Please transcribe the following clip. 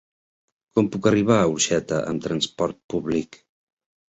Com puc arribar a Orxeta amb transport públic?